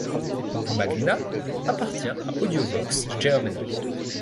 Magnat appartient à Audiovox Germany.